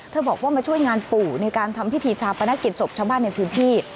บอกว่ามาช่วยงานปู่ในการทำพิธีชาปนกิจศพชาวบ้านในพื้นที่